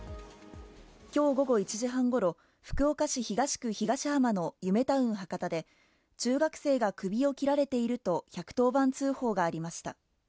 きょう午後１時半ごろ、福岡市東区東浜のゆめタウン博多で、中学生が首を切られていると１１０番通報がありました。